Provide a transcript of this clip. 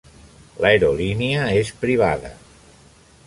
L'aerolínia és privada.